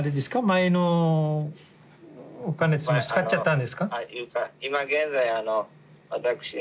前のお金使っちゃったんですか？